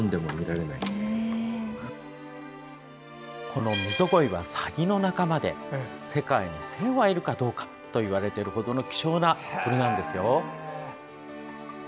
このミゾゴイはサギの仲間で世界に１０００羽いるかどうかといわれる本当に希少な鳥なんです。